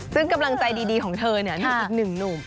ซึ่งกำลังใจดีของเธอมีอีกหนึ่งหนุ่ม